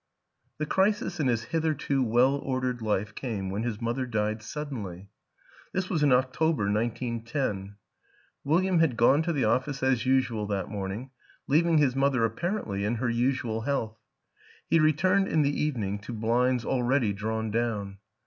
The crisis in his hitherto well ordered life came when his mother died suddenly. This was in October, 1910. William had gone to the office as usual that morning, leaving his mother apparently in her usual health ; he returned in the evening to blinds already drawn down.